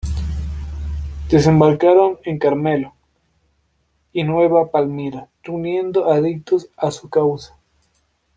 Desembarcaron en Carmelo y Nueva Palmira, reuniendo adictos a su causa.